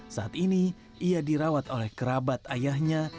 saat ini ia dirawat oleh kerabat ayahnya